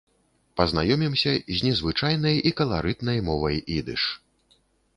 Пазнаёмімся з незвычайнай і каларытнай мовай ідыш.